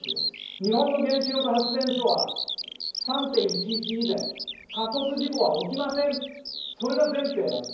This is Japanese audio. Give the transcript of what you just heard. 日本の原子力発電所は、３・１１以前、事故は起きません、それが前提なんです。